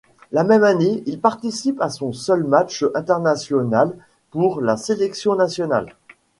La même année, il participe à son seul match international pour la sélection nationale.